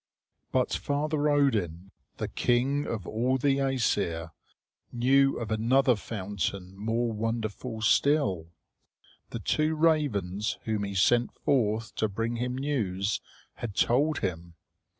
But Father Odin, the king of all the Æsir, knew of another fountain more wonderful still; the two ravens whom he sent forth to bring him news had told him.